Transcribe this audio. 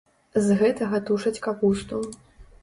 З гэтага тушаць капусту.